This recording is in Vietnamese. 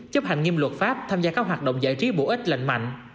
chấp hành nghiêm luật pháp tham gia các hoạt động giải trí bổ ích lạnh mạnh